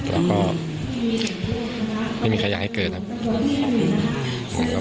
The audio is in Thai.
แล้วก็ไม่มีใครอยากให้เกิดครับ